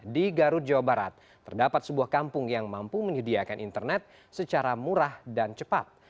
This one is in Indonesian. di garut jawa barat terdapat sebuah kampung yang mampu menyediakan internet secara murah dan cepat